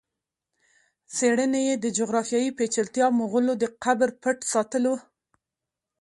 څېړني یې د جغرافیایي پېچلتیا، مغولو د قبر پټ ساتلو